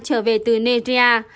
trở về từ nigeria